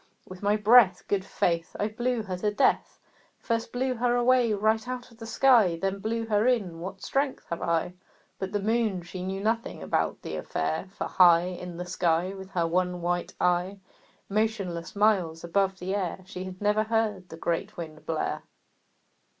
With my breath, Good faith! I blew her to death First blew her away right out of the sky Then blew her in; what strength have I!" But the Moon, she knew nothing about the affair, For high In the sky, With her one white eye, Motionless, miles above the air, She had never heard the great Wind blare.